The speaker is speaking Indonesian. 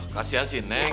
kasian si neng